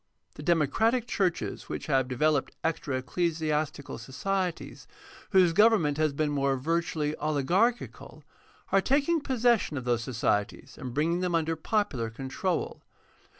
The democratic churches which have developed extra ecclesiastical societies, whose govern ment has been virtually oligarchical, are taking possession of those societies and bringing them under popular control.